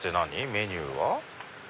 メニューは。